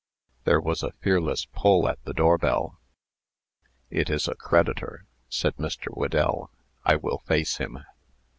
There was a fearless pull at the door bell. "It is a creditor," said Mr. Whedell. "I will face him."